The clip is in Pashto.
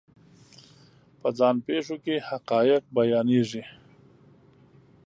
په ځان پېښو کې حقایق بیانېږي.